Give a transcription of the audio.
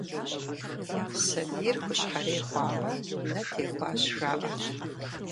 Сабийр хущхьэрей хъуамэ, нэ техуащ, жаӏэрт.